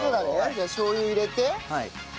じゃあしょう油入れて。